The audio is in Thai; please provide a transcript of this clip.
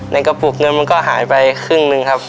กระปุกเงินมันก็หายไปครึ่งหนึ่งครับ